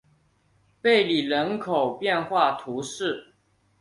贝里人口变化图示